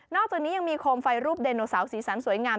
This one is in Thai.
อกจากนี้ยังมีโคมไฟรูปไดโนเสาร์สีสันสวยงาม